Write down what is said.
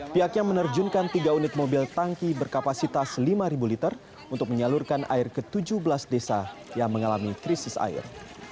pihaknya menerjunkan tiga unit mobil tangki berkapasitas lima liter untuk menyalurkan air ke tujuh belas desa yang mengalami krisis air